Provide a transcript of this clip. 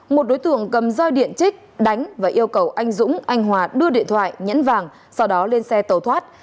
một đối tượng cầm roi điện trích đánh và yêu cầu anh dũng anh hòa đưa điện thoại nhẫn vàng sau đó lên xe tàu thoát